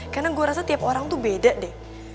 karena gue rasa tiap orang tuh beda deh